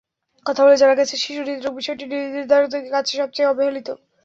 কথা বলে জানা গেছে, শিশু হৃদ্রোগ বিষয়টি নীতিনির্ধারকদের কাছে সবচেয়ে অবহেলিত।